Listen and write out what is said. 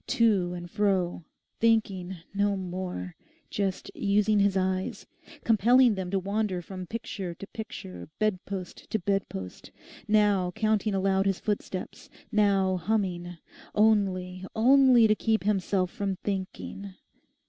To and fro, thinking no more; just using his eyes, compelling them to wander from picture to picture, bedpost to bedpost; now counting aloud his footsteps; now humming; only, only to keep himself from thinking.